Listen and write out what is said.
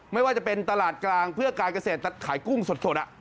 ไม่ว่าจะเป็นตลาดกลางเพื่อการเกษตรขายกุ้งสด